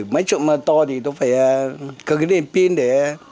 mấy chỗ mà to thì tôi phải cầm cái đèn pin để